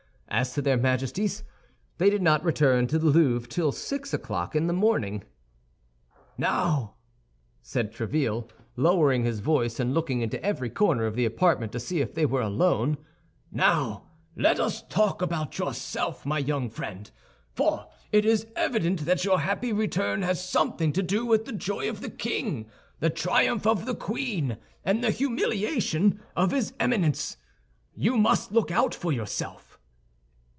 As to their Majesties, they did not return to the Louvre till six o'clock in the morning. "Now," said Tréville, lowering his voice, and looking into every corner of the apartment to see if they were alone, "now let us talk about yourself, my young friend; for it is evident that your happy return has something to do with the joy of the king, the triumph of the queen, and the humiliation of his Eminence. You must look out for yourself."